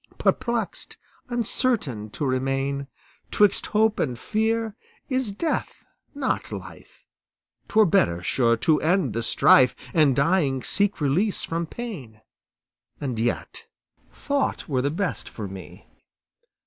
Perplexed, uncertain, to remain 'Twixt hope and fear, is death, not life; 'Twere better, sure, to end the strife, And dying, seek release from pain. And yet, thought were the best for me.